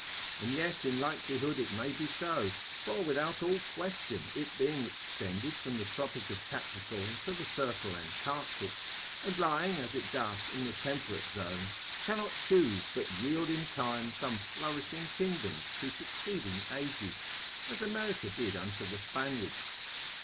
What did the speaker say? And yet in likelihood it may be so, for without all question it being extended from the tropic of Capricorn to the circle Antarctic, and lying as it doth in the temperate zone, cannot choose but yield in time some flourishing kingdoms to succeeding ages, as America did unto the Spaniards.